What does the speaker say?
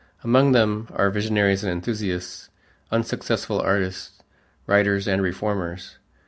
Among them are visionaries and enthusiasts, unsuccessful artists, writers, and reformers.